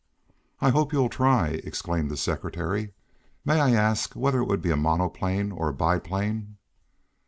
"I hope you'll try!" exclaimed the secretary. "May I ask whether it would be a monoplane or a biplane?"